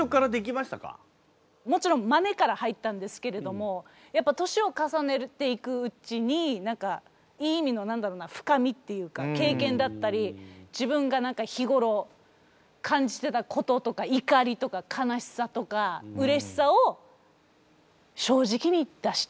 もちろんまねから入ったんですけれどもやっぱ年を重ねていくうちに何かいい意味の何だろうな深みっていうか経験だったり自分が日頃感じてたこととか怒りとか悲しさとかうれしさを正直に出してるんだと思う。